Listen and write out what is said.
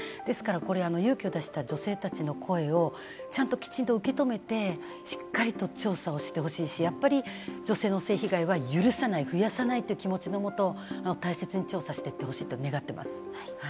これ勇気を出した女性たちの声をちゃんときちんと受け止めて、しっかりと調査をしてほしいし、女性の性被害を許さない、増やさないという気持ちのもと大切に調査していってほしいと願っています。